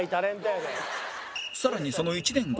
さらにその１年後